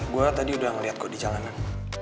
gue tadi udah ngeliat kok di jalanan